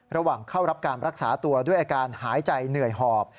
ระหว่างเข้ารับการรักษาตัวด้วยอาการหายใจเหนื่อยหอบ